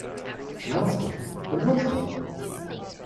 The Master, the Master!